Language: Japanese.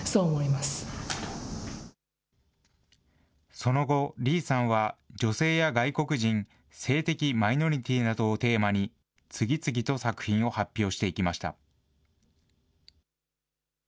その後、李さんは女性や外国人、性的マイノリティーなどをテーマに、次々と作品を発表していきました。